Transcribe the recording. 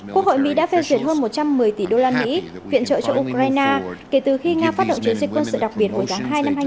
quốc hội mỹ đã phê duyệt hơn một trăm một mươi tỷ đô la mỹ viện trợ cho ukraine kể từ khi nga phát động chiến dịch quân sự đặc biệt hồi tháng hai năm hai nghìn hai mươi